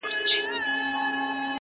په اور دي وسوځم، په اور مي مه سوځوه،